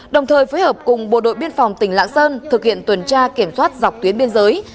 đồng thời phối hợp cùng bộ đội biên phòng tỉnh lạng sơn thực hiện tuần tra kiểm soát dọc tuyến biên giới